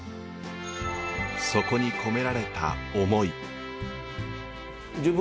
そこに込められた思い。